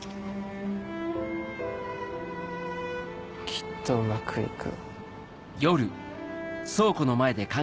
きっとうまくいく。